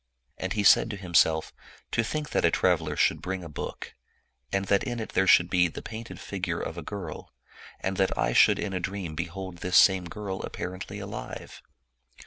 And he said to himself, '.* To think that a traveler should bring a book, and that in it there should be the painted figure of a girl, and that I should in a dream behold this same girl ap* parently alive!